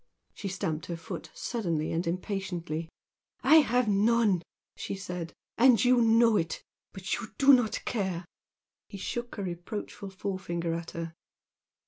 She stamped her foot suddenly and impatiently. "I have none!" she said "And you know it! But you do not care!" He shook a reproachful forefinger at her.